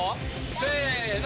せの！